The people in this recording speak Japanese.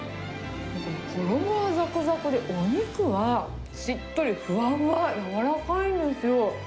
衣はざくざくで、お肉は、しっとりふわふわ、柔らかいんですよ。